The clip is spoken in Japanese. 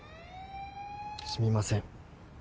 すみません。